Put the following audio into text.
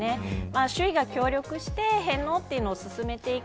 周囲が協力して返納を進めていく。